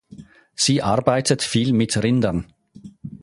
Sie arbeitet viel mit Rindern.